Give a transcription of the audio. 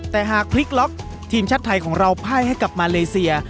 แต่หากพลิกล็อกทีมชาติไทยของเราไพ่ให้กับมาเลเซีย